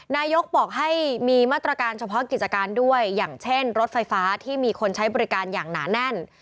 นายกบอกให้มีมาตรการเฉพาะกิจการด้วยอย่างเช่นรถไฟฟ้าที่มีคนใช้บริการอย่างหนาแน่น